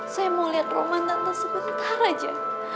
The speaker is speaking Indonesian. saya mau lihat rumah tante sebentar aja